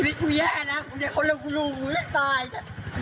มันคงอัดอันมาหลายเรื่องนะมันเลยระเบิดออกมามีทั้งคำสลัดอะไรทั้งเต็มไปหมดเลยฮะ